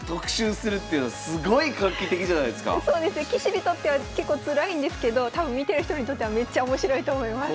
棋士にとっては結構つらいんですけど多分見てる人にとってはめっちゃ面白いと思います。